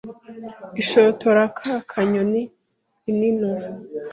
ishotora ka kanyoni ininura